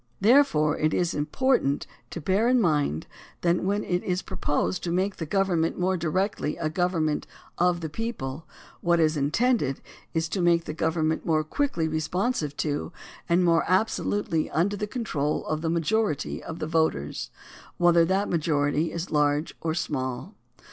Therefore it is impor tant to bear in mind that when it is proposed to make the government more directly a government of the people, what is intended is to make the government more quickly responsive to and more absolutely under the control of the m^ajority of the voters, whether that majority is large or small.